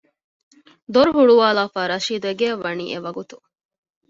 ދޮރު ހުޅުވާލާފައި ރަޝީދު އެގެޔަށް ވަނީ އެވަގުތު